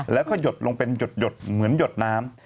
แล้วก็หยดลงเป็นหยดเหมือนหยดน้ำ